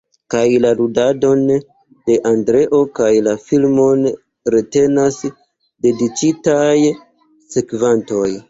Kaj la ludadon de Andreo kaj la filmon retenas dediĉitaj sekvantoj.